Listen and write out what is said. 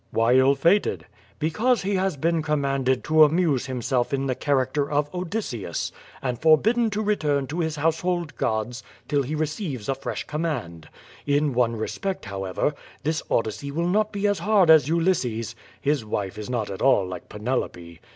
"Why ill fated?" "Because he has been commanded to amuse himself in the character of Odysseus and forbidden to return to his house hold gods till he receives a fresh command. In one respect, however, this Odyssey will not be as hard as Ulysses's — ^his wife is not at all like Penelope.